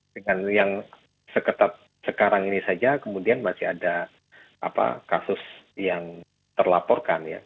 dengan yang seketat sekarang ini saja kemudian masih ada kasus yang terlaporkan ya